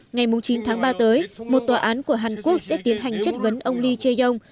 ngày chín tháng ba tới một tòa án của hàn quốc sẽ tiến hành chất vấn ông lee che yong